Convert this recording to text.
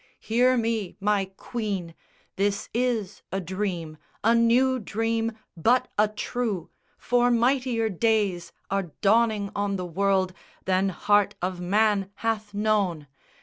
Hear me, my Queen, This is a dream, a new dream, but a true; For mightier days are dawning on the world Than heart of man hath known.